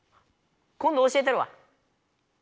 今ど教えたるわ。